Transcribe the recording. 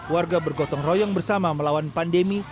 warga bergotong royong bersama melawan pandemi